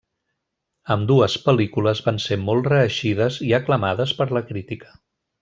Ambdues pel·lícules van ser molt reeixides i aclamades per la crítica.